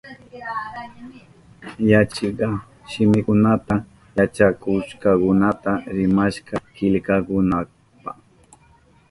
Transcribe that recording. Yachachikka shimikunata yachakukkunata rimashka killkanankunapa.